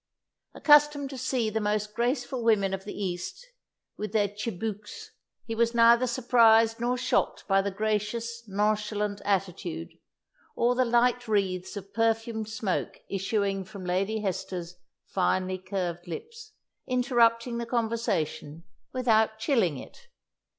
Accustomed to see the most graceful women of the East with their tchibouques, he was neither surprised nor shocked by the gracious, nonchalant attitude, or the light wreaths of perfumed smoke issuing from Lady Hester's finely curved lips, interrupting the conversation without chilling it.